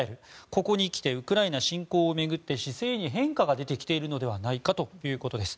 ここに来てウクライナ侵攻を巡って姿勢に変化が出てきているのではということです。